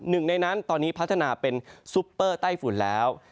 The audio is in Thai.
หนึ่งในนั้นตอนนี้พัฒนาเป็นซุปเปอร์ไต้ฝุ่นแล้ว